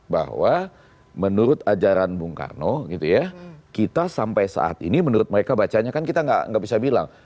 bahwa menurut ajaran bung karno gitu ya kita sampai saat ini menurut mereka bacanya kan kita nggak bisa bilang